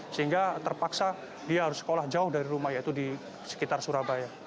sehingga terpaksa dia harus sekolah jauh dari rumah yaitu di sekitar surabaya